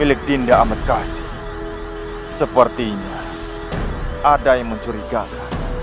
aku tidak akan pernah mencurigakan